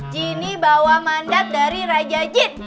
jini bawa mandat dari raja jin